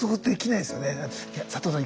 いや佐藤さん